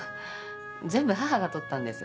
全部母が撮ったんです。